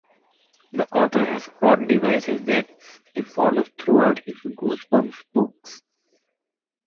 The author has plot devices that he follows throughout his "Goosebumps" books.